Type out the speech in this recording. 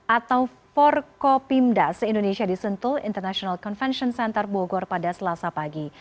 atau forkopimda se indonesia di sentul international convention center bogor pada selasa pagi